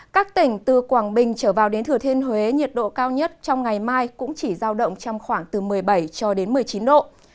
các tỉnh từ quảng bình trở vào đến thừa thiên huế nhiệt độ cao nhất trong ngày mai cũng chỉ giao động trong khoảng từ một mươi bảy cho đến một mươi chín độ